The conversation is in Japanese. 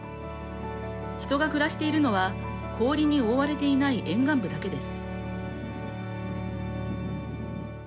人が暮らしているのは氷に覆われていない沿岸部だけです。